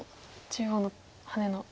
中央のハネの。